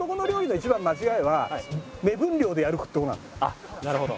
あっなるほど。